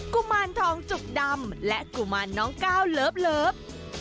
กุมารทองจุกดำและกุมารน้องก้าวเลิฟ